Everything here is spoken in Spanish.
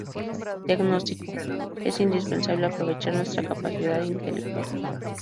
Diagnóstico: es indispensable aprovechar nuestra capacidad intelectual.